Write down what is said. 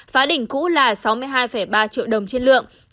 phá đỉnh cũ là sáu mươi hai ba triệu đồng trên lượng